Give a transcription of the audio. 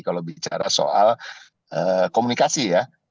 kalau bicara soal komunikasi ya